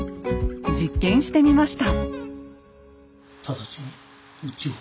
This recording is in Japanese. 実験してみました。